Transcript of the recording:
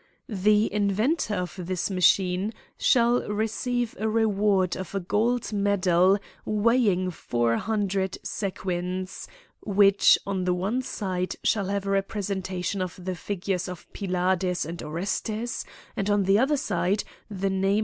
The inventor of this machine shall receive a reward of a gold medal weighing four hundred sequins, which on the one side shall have a representation of the figures of Pylades and Orestes, and on the other side the name.